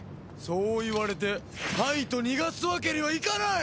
そう言われて「はい」と逃がすわけにはいかない！